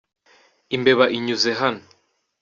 Imbeba inyuze hano.